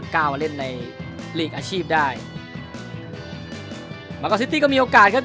กล้าวเล่นในอาชีพได้มาก็ซิตี้ก็มีโอกาสครับ